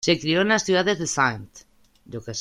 Se crio en las ciudades de St.